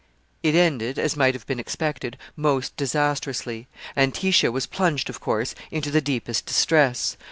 It ended, as might have been expected, most disastrously. Antistia was plunged, of course, into the deepest distress.